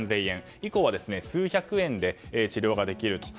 以降は数百円で治療ができると。